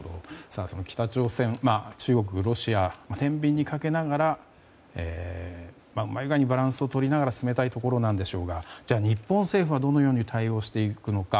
北朝鮮中国、ロシアを天秤にかけながらうまい具合にバランスを取りながら進めたいんでしょうがじゃあ、日本政府はどのように対応していくのか。